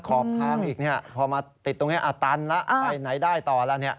ขอบทางอีกนิดเลยพอมาติดตรงที่อาตารณ์แล้วไปไหนได้ต่อเนี่ย